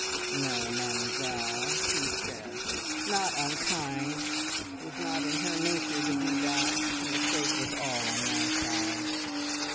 "No, Mademoiselle," he said, "not unkind; it was not in her nature to be that. The mistake was all on my side.